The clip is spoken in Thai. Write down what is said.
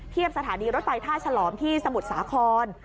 สถานีรถไฟท่าฉลอมที่สมุทรสาคร